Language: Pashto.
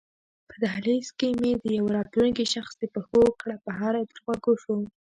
په دهلېز کې مې د یوه راتلونکي شخص د پښو کړپهاری تر غوږو شو.